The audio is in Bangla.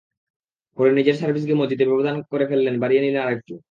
পরে নিজের সার্ভিস গেমও জিতে ব্যবধান করে ফেললেন বাড়িয়ে নিলেন আরেকটু।